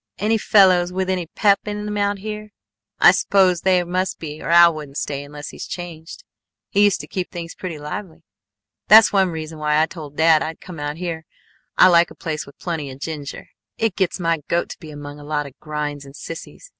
"Any fellows with any pep in them out here? I suppose there must be or Al wouldn't stay unless he's changed. He used to keep things pretty lively. That's one reason why I told dad I'd come out here. I like a place with plenty of ginger. It gets my goat to be among a lot of grinds and sissies!